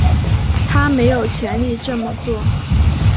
他没有权力这么做